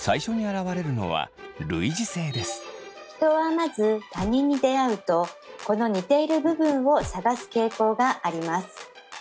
人はまず他人に出会うとこの似ている部分を探す傾向があります。